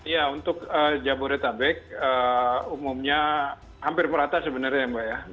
ya untuk jabodetabek umumnya hampir merata sebenarnya mbak ya